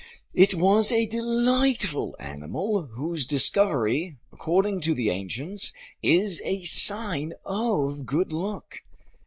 It was a delightful animal whose discovery, according to the ancients, is a sign of good luck.